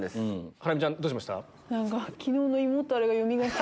ハラミちゃんどうしました？